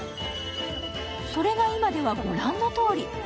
それが今では御覧のとおり。